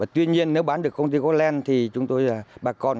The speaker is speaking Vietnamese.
tuy nhiên nếu bán được công ty woodland thì chúng tôi và bà con